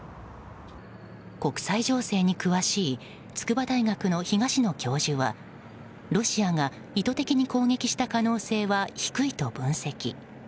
国際情勢に詳しい筑波大学の東野教授はロシアが意図的に攻撃した可能性は低いと分析。